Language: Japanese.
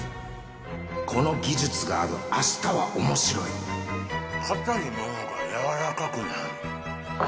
この技術があるあしたは面白い硬いものがやわらかくなる。